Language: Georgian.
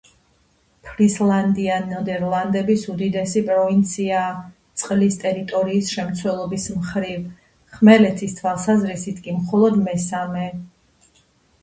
ფრისლანდია ნიდერლანდების უდიდესი პროვინციაა წყლის ტერიტორიის შემცველობის მხრივ, ხმელეთის თვალსაზრისით კი მხოლოდ მესამე.